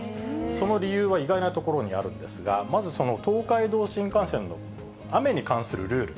その理由は意外なところにあるんですが、まずその東海道新幹線の雨に関するルール。